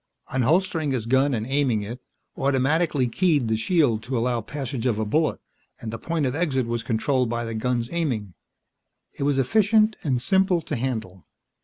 Unholstering his gun and aiming it automatically keyed the shield to allow passage of a bullet, and the point of exit was controlled by the gun's aiming. It was efficient and simple to handle.